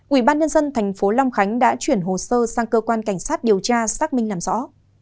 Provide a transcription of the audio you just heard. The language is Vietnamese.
ủy ban nhân dân tp long khánh đã chuyển hồ sơ sang cơ quan cảnh sát điều tra xác minh làm rõ